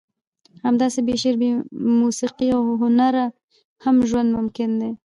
همداسې بې شعر، موسیقي او هنره هم ژوند ممکن دی.